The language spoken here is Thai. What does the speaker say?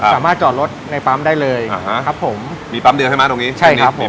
จอดรถในปั๊มได้เลยอ่าฮะครับผมมีปั๊มเดียวใช่ไหมตรงนี้ใช่ครับผม